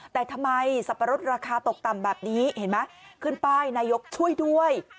แต่ทำไมสับปะรดราคาตกต่ำแบบนี้เห็นไหมขึ้นป้ายนายกช่วยด้วย